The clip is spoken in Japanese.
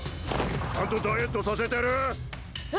ちゃんとダイエットさせてる？え！